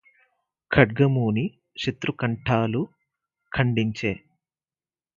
ఖడ్గమూని శతృకంఠాలు ఖండించె